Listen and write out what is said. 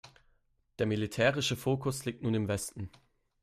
Der militärische Fokus liegt nun im Westen.